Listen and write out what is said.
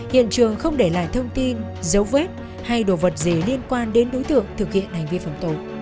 hiện trường không để lại thông tin dấu vết hay đồ vật gì liên quan đến đối tượng thực hiện hành vi phạm tội